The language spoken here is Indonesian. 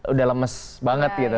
udah lemes banget gitu